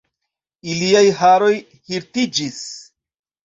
Iliaj haroj hirtiĝis.